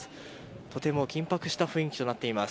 とても緊迫した雰囲気となっています。